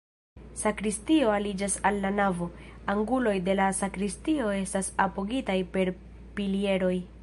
Sakristio aliĝas al la navo, anguloj de la sakristio estas apogitaj per pilieroj.